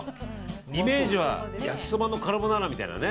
イメージは焼きそばのカルボナーラみたいなね。